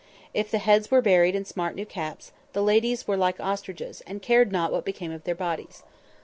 If the heads were buried in smart new caps, the ladies were like ostriches, and cared not what became of their bodies.